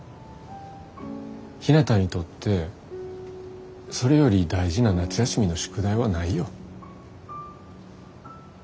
ひなたにとってそれより大事な夏休みの宿題はないよ。